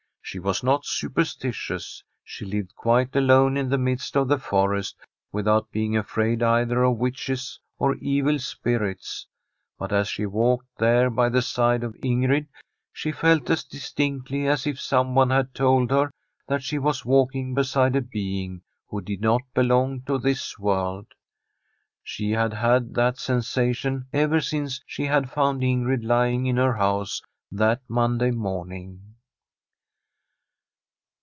She was not super stitious — she lived quite alone in the midst of the forest without being afraid either of witches or evil spirits — ^but as she walked there by the side [6a] The STORY of a COUNTRY HOUSE of Ingrid she felt as distinctly as if someone had told her that she was walking beside a being who did not belong to this world. She had had that sensation ever since she had found Ingrid lying in her house that Monday morning.